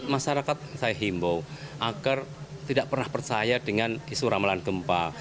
masyarakat saya himbau agar tidak pernah percaya dengan isu ramalan gempa